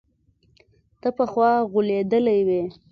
ته پخوا غولېدلى وي.